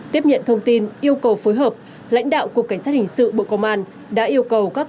tiếp nhận thông tin yêu cầu phối hợp lãnh đạo cục cảnh sát hình sự bộ công an đã yêu cầu các